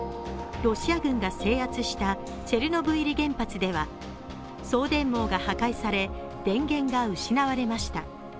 ロシア軍が制圧したチェルノブイリ原発では送電網が破壊され電源が失われました。